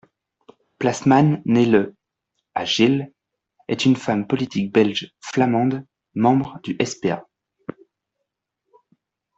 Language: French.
Plasman, née le à Geel est une femme politique belge flamande, membre du sp.a.